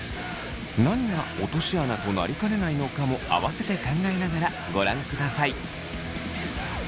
何が落とし穴となりかねないのかも合わせて考えながらご覧ください。